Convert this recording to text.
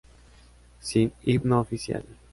Sin himno oficial.